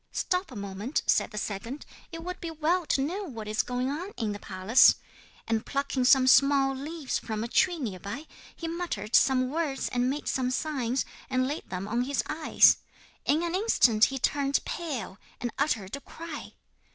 '"Stop a moment," said the second, "it would be well to know what is going on in the palace." And plucking some small leaves from a tree near by, he muttered some words and made some signs, and laid them on his eyes. In an instant he turned pale, and uttered a cry.